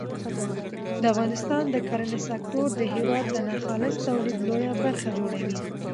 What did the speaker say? د افغانستان د کرنې سکتور د هېواد د ناخالص تولید لویه برخه جوړوي.